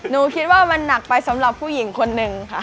หนูคิดว่ามันหนักไปสำหรับผู้หญิงคนหนึ่งค่ะ